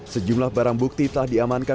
sejumlah barang bukti telah diamankan